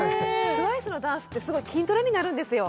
ＴＷＩＣＥのダンスってすごい筋トレになるんですよ